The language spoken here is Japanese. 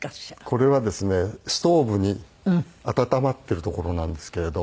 これはですねストーブに温まっているところなんですけれど。